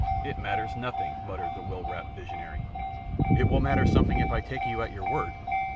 "It matters nothing," muttered the will wrapped visionary. "It will matter something if I take you at your word.